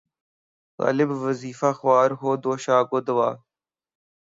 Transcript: غالبؔ! وظیفہ خوار ہو‘ دو شاہ کو دعا